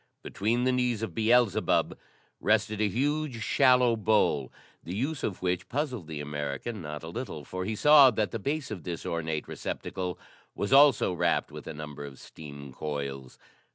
Between the knees of Beelzebub rested a huge, shallow bowl, the use of which puzzled the American not a little, for he saw that the base of this ornate receptacle was also wrapped with a number of steam coils.